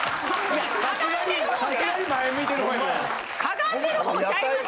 かがんでるほうちゃいますよ。